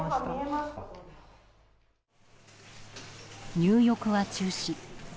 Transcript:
入浴は中止。